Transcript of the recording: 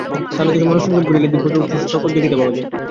তালুতে মনঃসংযম করিলে দিব্যরূপসকল দেখিতে পাওয়া যায়।